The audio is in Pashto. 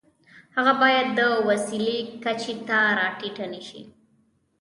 هغه باید د وسیلې کچې ته را ټیټ نشي.